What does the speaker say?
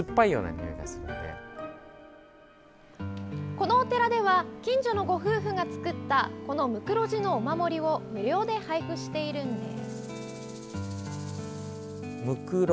このお寺では近所のご夫婦が作ったこのムクロジのお守りを無料で配布しています。